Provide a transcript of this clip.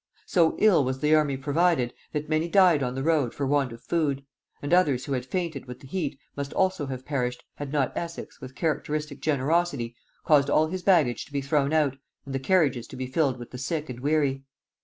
So ill was the army provided, that many died on the road for want of food; and others who had fainted with the heat must also have perished, had not Essex, with characteristic generosity, caused all his baggage to be thrown out, and the carriages to be filled with the sick and weary.